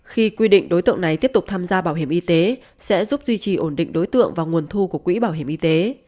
khi quy định đối tượng này tiếp tục tham gia bảo hiểm y tế sẽ giúp duy trì ổn định đối tượng và nguồn thu của quỹ bảo hiểm y tế